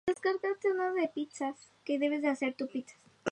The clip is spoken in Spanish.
Tras atravesar el mar Mediterráneo, cruza Turquía, Georgia y el suroeste de Rusia.